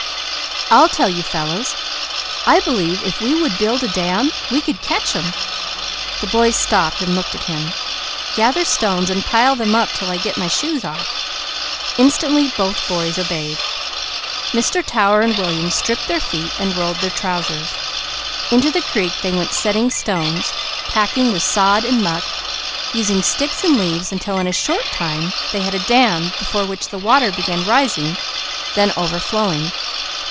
"I'll tell you fellows, I believe if we could build a dam we could catch them. Gather stones and pile them up till I get my shoes off." Instantly both boys obeyed. Mr. Tower and William stripped their feet, and rolled their trousers. Into the creek they went setting stones, packing with sod and muck, using sticks and leaves until in a short time they had a dam before which the water began rising, then overflowing.